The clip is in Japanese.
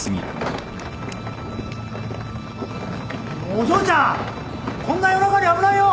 ・お嬢ちゃんこんな夜中に危ないよ。